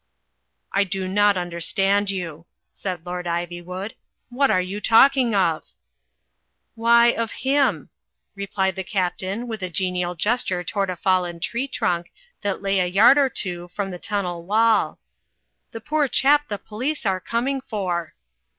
"I do not imderstand you," said Ivywood. "What are you talking of ?" ''Why of him,!.' replied the Captain, with a genial gesture toward a fallen tree trunk that lay a yard or two from the tunnel wall, the poor chap the police are coming for."